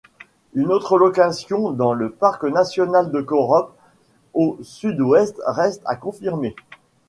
Une autre localisation, dans le parc national de Korup au sud-ouest, reste à confirmer.